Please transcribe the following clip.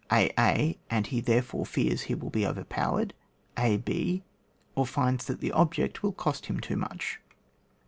a a, and he therefore fears he wiU be overpowered ; a b, or finds that the object wiU cost him too much.